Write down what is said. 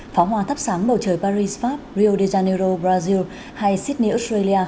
pháo hoa thắp sáng bầu trời paris pháp rio de janeiro brazil hay sydney australia